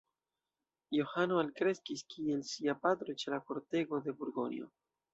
Johano alkreskis kiel sia patro ĉe la kortego de Burgonjo.